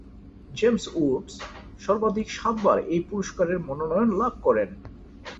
James Woods সর্বাধিক সাতবার এই পুরস্কারের মনোনয়ন লাভ করেন।